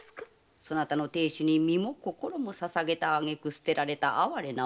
そなたの亭主に身も心も捧げたあげく捨てられた哀れな女子だ。